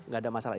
gak ada masalah